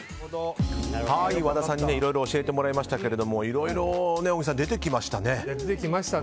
和田さんにいろいろ教えていただきましたけどいろいろ小木さん出てきましたね。